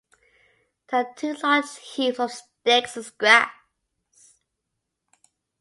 They had two large heaps of sticks and grass.